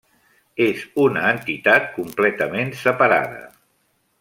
És una entitat completament separada.